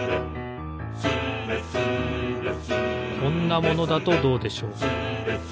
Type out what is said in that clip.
「スレスレ」こんなものだとどうでしょう？